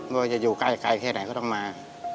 ว่าจะอยู่ใกล้แค่ไหนก็ต้องมา